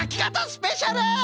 スペシャル！